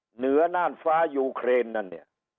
เหนือน่านฟ้ายูเครนนั่นเนี่ย